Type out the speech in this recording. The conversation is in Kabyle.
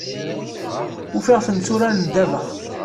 Ufiɣ-ten tturaren ddabax.